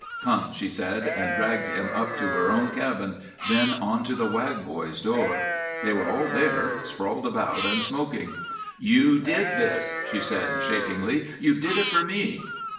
"Come!" she said, and dragged him up to her own cabin, then on to the Wag boys' door. They were all there, sprawled about and smoking. "You did this!" she said, shakingly. "You did it for me!"